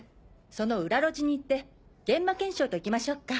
その裏路地に行って現場検証と行きましょうか。